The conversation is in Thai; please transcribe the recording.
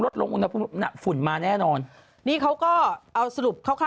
ตอนนี้เขาก็เอาสรุปคร่าวค่ะ